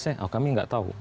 oh kami nggak tahu